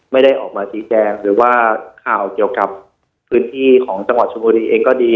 ไม่ได้ออกมาชี้แจงหรือว่าข่าวเกี่ยวกับพื้นที่ของจังหวัดชมบุรีเองก็ดี